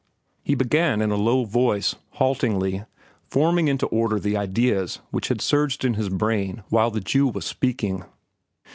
He began in a low voice, haltingly, forming into order the ideas which had surged in his brain while the Jew was speaking.